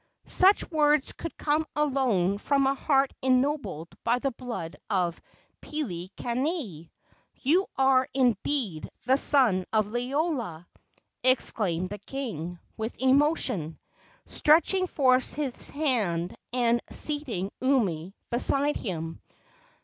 "Such words could come alone from a heart ennobled by the blood of Pilikaeae! You are indeed the son of Liloa!" exclaimed the king, with emotion, stretching forth his hand and seating Umi beside him.